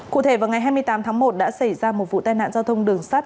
cụ thể vào ngày hai mươi tám tháng một đã xảy ra một vụ tai nạn giao thông đường sắt